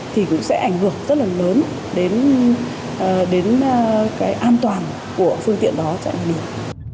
thì cũng sẽ ảnh hưởng rất là lớn đến cái an toàn của phương tiện đó chạy ngoài đường